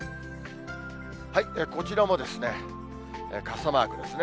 こちらも傘マークですね。